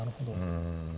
うん。